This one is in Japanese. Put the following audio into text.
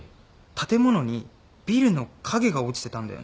建物にビルの影が落ちてたんだよね。